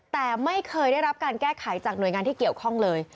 แต่ไม่เคยได้รับการแก้ไขจากหน่วยงานที่เกี่ยวข้องเลย